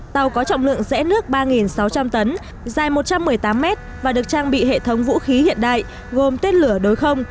tàu có trọng lượng rẽ nước ba sáu trăm linh tấn dài một trăm một mươi tám mét và được trang bị hệ thống vũ khí hiện đại gồm tên lửa đối không